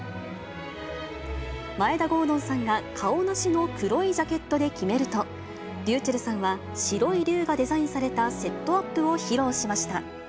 眞栄田郷敦さんがカオナシの黒いジャケットで決めると、リュウチェルさんは、白い竜がデザインされたセットアップを披露しました。